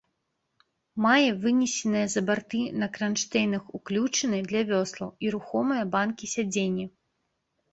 Мае вынесеныя за барты на кранштэйнах уключыны для вёслаў і рухомыя банкі-сядзенні.